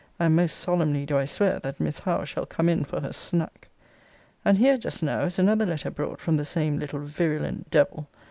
And most solemnly do I swear, that Miss Howe shall come in for her snack. And here, just now, is another letter brought from the same little virulent devil.